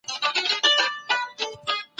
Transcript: راتلونکې ټولنه به تر نننۍ ټولني خوشحاله وي.